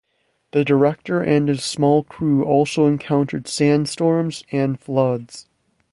The director and his small crew also encountered sandstorms and floods.